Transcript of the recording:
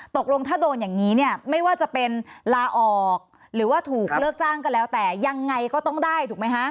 ตกลงถ้าโดนอย่างนี้เนี่ยไม่ว่าจะเป็นลาออกหรือว่าถูกเลิกจ้างก็แล้วแต่ยังไงก็ต้องได้ถูกไหมคะ